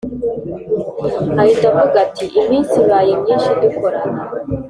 ahita avuga ati”iminsi ibaye myinshi dukorana